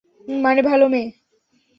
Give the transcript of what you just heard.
মানে ভালো মেয়ে।